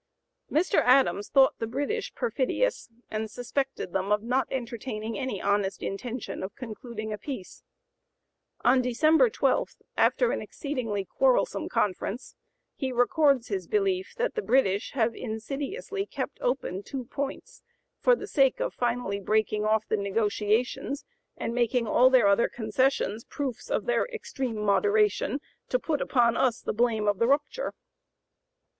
Mr. Adams thought the British perfidious, and suspected them of not entertaining any honest intention of concluding a peace. On December 12, after an exceedingly quarrelsome conference, he records his belief that the British have "insidiously kept open" two points, "for the sake of finally breaking off the negotiations and making all their other concessions proofs of their extreme moderation, to put upon us the blame of the rupture."